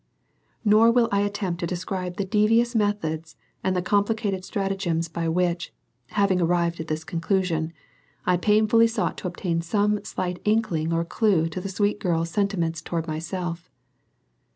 Nor will I attempt to describe the devious methods and the complicated stratagems by which having arrived at this conclusion I painfully sought to obtain some slight inkling or clue to the sweet girl's sentiments toward myself.